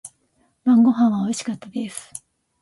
晩御飯は美味しかったです。